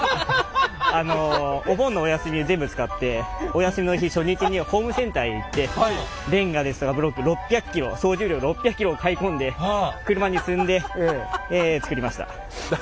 お休みの日初日にホームセンターへ行ってレンガですとかブロック６００ｋｇ総重量６００ｋｇを買い込んで車に積んで作りました！